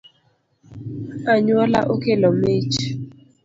Anyuola okelo mich